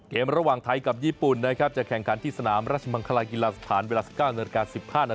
เกมระหว่างไทยกับญี่ปุ่นนะครับจะแข่งขันที่สนามราชมันคลาฮิลาสถานเวลา๑๙๑๕น